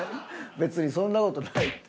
別にそんな事ないって。